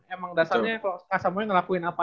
emang dasarnya kalau kasamunya ngelakuin apa